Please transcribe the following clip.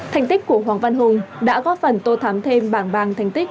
tài liệu hoàng văn hùng đã góp phần tô thám thêm bảng bàng thành tích